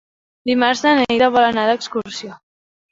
Dimarts na Neida vol anar d'excursió.